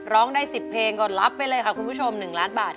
ร้องได้๑๐เพลงก็รับไปเลยค่ะคุณผู้ชม๑ล้านบาท